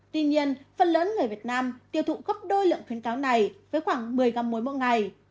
tuy nhiên phần lớn người việt nam tiêu thụ gấp đôi lượng khuyến cáo này với khoảng một mươi găm muối mỗi ngày